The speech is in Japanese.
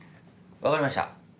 分かりました。